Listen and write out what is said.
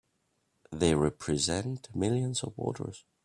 They represent millions of voters!